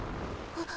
あっ。